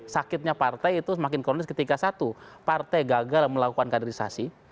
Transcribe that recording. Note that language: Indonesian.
sakitnya partai itu semakin kronis ketika satu partai gagal melakukan kaderisasi